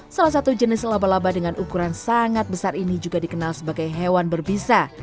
salah satu jenis laba laba dengan ukuran sangat besar ini juga dikenal sebagai hewan berbisa